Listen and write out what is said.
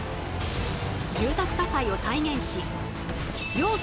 住宅火災を再現し要